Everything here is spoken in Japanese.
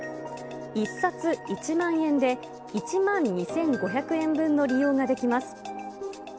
１冊１万円で、１万２５００円分の利用ができます。